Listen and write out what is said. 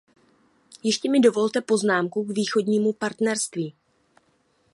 Ještě mi dovolte poznámku k východnímu partnerství.